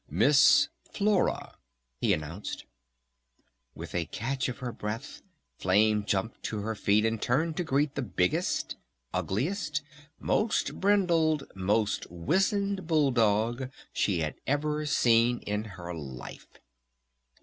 "Miss Flora!" he announced. With a catch of her breath Flame jumped to her feet and turned to greet the biggest, ugliest, most brindled, most wizened Bull Dog she had ever seen in her life.